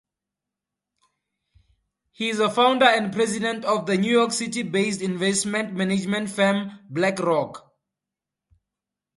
He's a founder and President of the New York City-based investment management firm, BlackRock.